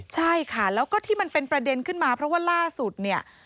ใช่ค่ะแล้วก็ที่มันเป็นประเด็นขึ้นมาเพราะว่าล่าสุดเนี่ย